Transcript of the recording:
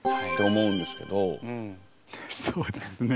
うんそうですね